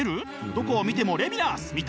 どこを見てもレヴィナスみたいな！？